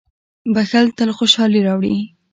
• بښل تل خوشالي راوړي.